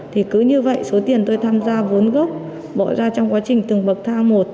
thì cứ như vậy số tiền tôi tham gia vốn gốc bỏ ra trong quá trình từng bậc thang một